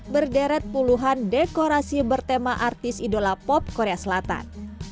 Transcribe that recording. berderet puluhan dekorasi bertema artis idola pop korea selatan